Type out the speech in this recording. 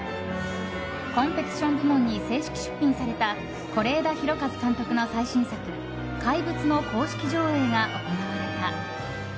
コンペティション部門に正式出品された是枝裕和監督の最新作「怪物」の公式上映が行われた。